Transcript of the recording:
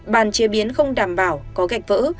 bàn chế biến không đảm bảo có gạch vỡ